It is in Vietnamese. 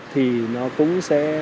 thì nó cũng sẽ